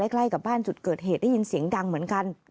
ใกล้กับบ้านจุดเกิดเหตุได้ยินเสียงดังเหมือนกัน